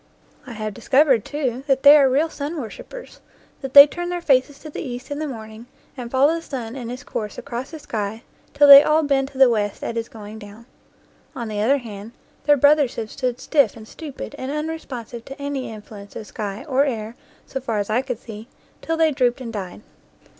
I have discovered, too, that they are real sun worshipers; that they turn their faces to the east in the morning and follow the sun in his course across the sky till they all bend to the west at his going down. On the other hand, their brothers have stood stiff and stupid and unresponsive to any influence of sky or air so far as I could see, till they drooped and died.